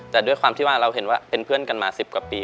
แต่ด้วยความที่ว่าเราเห็นว่าเป็นเพื่อนกันมา๑๐กว่าปี